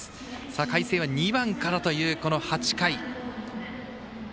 海星は２番からという８回。